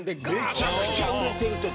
めちゃくちゃ売れてる時。